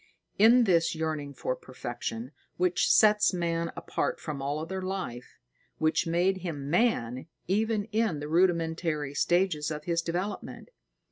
It is this yearning for perfection which sets man apart from all other life, which made him man even in the rudimentary stages of his development.